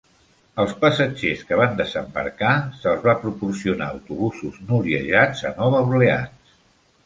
Als passatgers que van desembarcar se'ls va proporcionar autobusos noliejats a Nova Orleans.